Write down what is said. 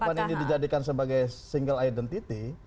kalau kedepan ini dijadikan sebagai single identity